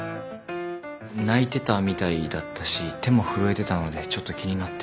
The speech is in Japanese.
泣いてたみたいだったし手も震えてたのでちょっと気になって。